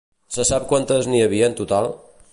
Se sap quantes n'hi havia en total?